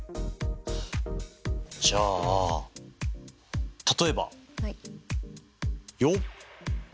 じゃあ例えばよっ！